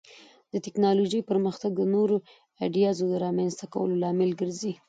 د ټکنالوژۍ پرمختګ د نوو ایډیازو د رامنځته کولو لامل ګرځي.